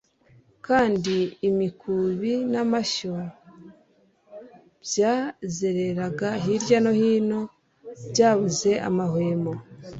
kandi imikubi namashyo byazereraga hirya no hino byabuze amahwemo